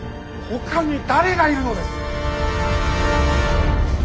ほかに誰がいるのです。